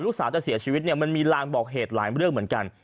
ลูกสาวจะเสียชีวิตเนี่ยมันมีลางบอกเหตุหลายเรื่องเหมือนกัน